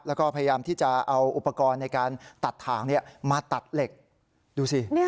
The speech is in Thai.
แล้วก็พยายามที่จะเอาอุปกรณ์ในการตัดถ่างมาตัดเหล็กดูสิ